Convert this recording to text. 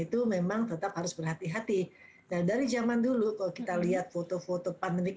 itu memang tetap harus berhati hati nah dari zaman dulu kalau kita lihat foto foto pandemik